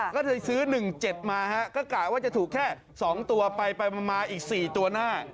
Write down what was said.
ก็จะซื้อ๑๗มาก็กะว่าจะถูกแค่สองตัวไปไปมาอีกสี่ตัวหน้า